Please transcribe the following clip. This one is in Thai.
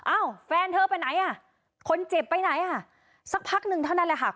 อ้าวแฟนเธอไปไหนอ่ะคนเจ็บไปไหนอ่ะสักพักหนึ่งเท่านั้นแหละค่ะ